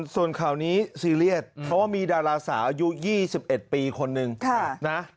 ส่วนข่าวนี้ซีเรียสเขามีดาราสาอายุ๒๑ปีคนนึง